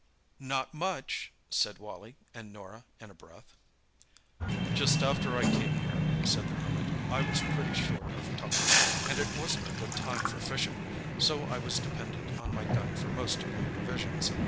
"Not much!" said Wally and Norah in a breath. "Just after I came here," said the Hermit, "I was pretty short of tucker, and it wasn't a good time for fishing, so I was dependent on my gun for most of my provisions.